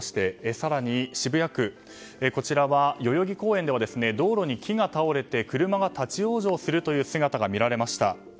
更に、渋谷区の代々木公園では道路に木が倒れて車が立ち往生する姿が見られました。